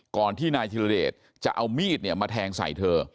ก่อนที่นายธิรเดชจะเอามีดมาแทงใส่เธอ